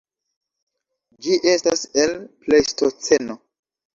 Ĝi estas el Plejstoceno.